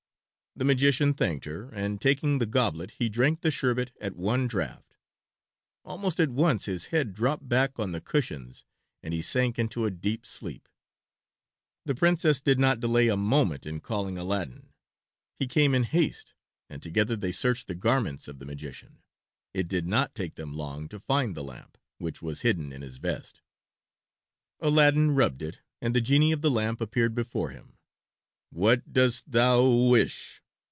The magician thanked her, and taking the goblet he drank the sherbet at one draught. Almost at once his head dropped back on the cushions and he sank in a deep sleep. The Princess did not delay a moment in calling Aladdin. He came in haste, and together they searched the garments of the magician. It did not take them long to find the lamp, which was hidden in his vest. Aladdin rubbed it, and the genie of the lamp appeared before him. "What dost thou wish?"